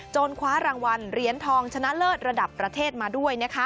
คว้ารางวัลเหรียญทองชนะเลิศระดับประเทศมาด้วย